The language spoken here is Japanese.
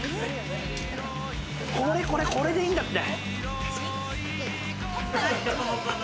これ、これ、これでいいんだって。